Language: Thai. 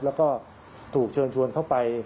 แล้วก็ถูกเชิญชวนเข้าไป